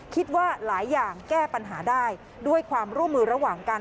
คิดว่าหลายอย่างแก้ปัญหาได้ด้วยความร่วมมือระหว่างกัน